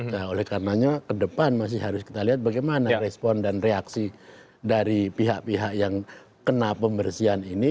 nah oleh karenanya ke depan masih harus kita lihat bagaimana respon dan reaksi dari pihak pihak yang kena pembersihan ini